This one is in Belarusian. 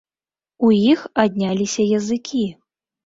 У іх адняліся языкі.